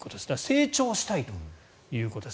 成長したいということです。